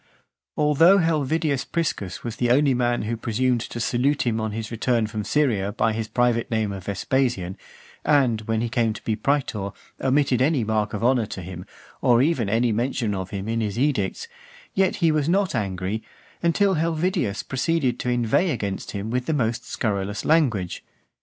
Although Helvidius Priscus was the only man who presumed to salute him on his return from Syria by his private name of Vespasian, and, when he came to be praetor, omitted any mark of honour to him, or even any mention of him in his edicts, yet he was not angry, until Helvidius proceeded to inveigh against him with the most scurrilous language.